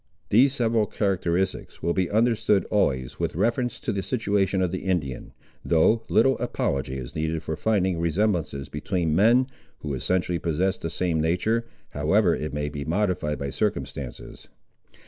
These several characteristics will be understood always with reference to the situation of the Indian, though little apology is needed for finding resemblances between men, who essentially possess the same nature, however it may be modified by circumstances.